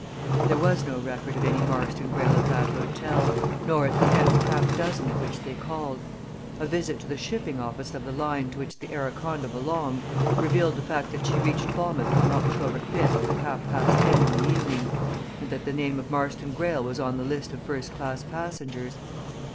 There was no record of any Marston Greyle at that hotel, nor at the next half dozen at which they called. A visit to the shipping office of the line to which the Araconda belonged revealed the fact that she reached Falmouth on October 5th at half past ten in the evening, and that the name of Marston Greyle was on the list of first class passengers.